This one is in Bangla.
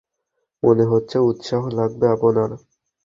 মনে হচ্ছে উৎসাহ লাগবে আপনার!